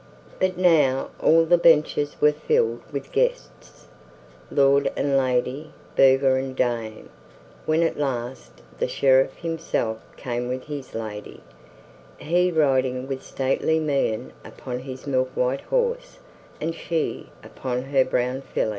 But now all the benches were filled with guests, lord and lady, burgher and dame, when at last the Sheriff himself came with his lady, he riding with stately mien upon his milk white horse and she upon her brown filly.